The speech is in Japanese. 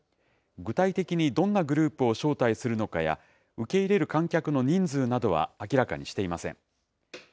具体的にどんなグループを招待するのかや、受け入れる観客の人数などは明らかにしていません。